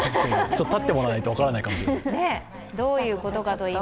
立ってもらわないと分からないかもしれない。